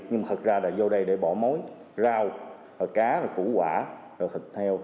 chúng ta đã vô đây để bỏ mối rau cá củ quả thịt heo